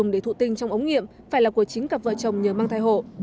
dùng để thụ tinh trong ống nghiệm phải là của chính cặp vợ chồng nhờ mang thai hộ